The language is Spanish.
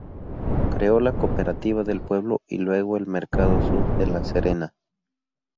Creó la cooperativa del pueblo y luego el mercado sur de La Serena.